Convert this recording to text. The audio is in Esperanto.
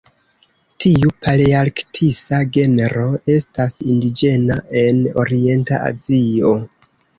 Tiu palearktisa genro estas indiĝena en orienta Azio.